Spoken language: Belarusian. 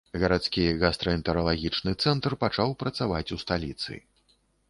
Гарадскі гастраэнтэралагічны цэнтр пачаў працаваць у сталіцы.